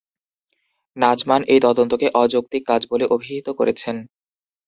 নাচমান এই তদন্তকে "অযৌক্তিক কাজ" বলে অভিহিত করেছেন।